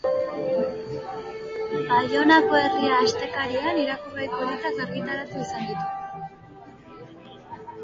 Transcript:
Baionako "Herria" astekarian irakurgai politak argitaratu izan ditu.